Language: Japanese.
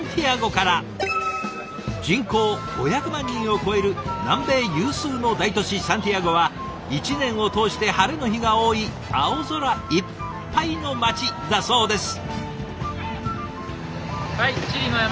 人口５００万人を超える南米有数の大都市サンティアゴは一年を通して晴れの日が多い青空いっぱいの街だそうです。